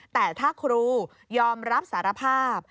แต่ถ้าครูยอมรับสารภาพ